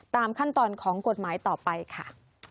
ตามขั้นตอนของกฎหมายต่อไปค่ะ